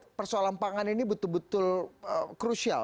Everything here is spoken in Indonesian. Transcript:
tapi anda lihat persoalan pangan ini betul betul krusial